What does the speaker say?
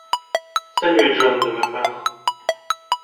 Saluez John de ma part.